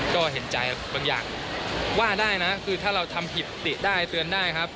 ก็เห็นใจบางอย่างว่าได้นะคือถ้าเราทำผิดติได้เตือนได้ครับ